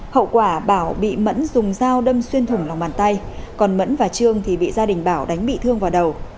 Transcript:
hậu quả bảo bị mẫn dùng dao đâm xuyên thủng lòng bàn tay còn mẫn và trương thì bị gia đình bảo đánh bị thương vào đầu